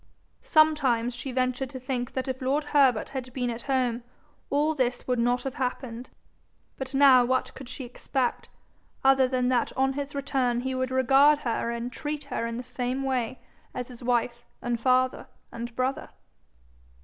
Sometimes she ventured to think that if lord Herbert had been at home, all this would not have happened; but now what could she expect other than that on his return he would regard her and treat her in the same way as his wife and father and brother?